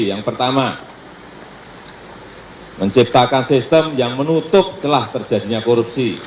yang pertama menciptakan sistem yang menutup celah terjadinya korupsi